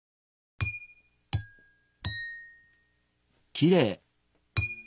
きれい！